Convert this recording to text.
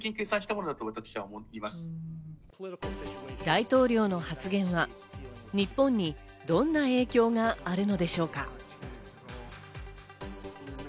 大統領の発言は日本にどんな影響があるのでしょうか。